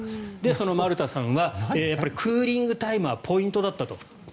その丸田さんはクーリングタイムはポイントだったと。